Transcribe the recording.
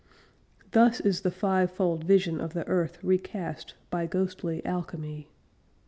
Thus is the fivefold vision of the earth recast By ghostly alchemy.